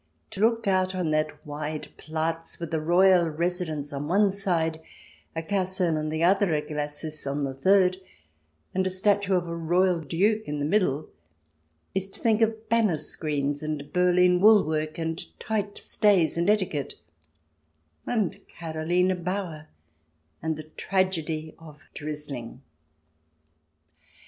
To look out on that wide Platz, with a royal residence on one side, a Caserne on the other, a glacis on the third, and a statue of a royal Duke in the middle, is to think of banner screens, and Berlin wool work, and tight stays, and etiquette, and Karohne Bauer and the tragedy of *' drizzling."